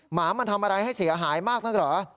หมามันทำอะไรให้เสียหายมากนักเหรอ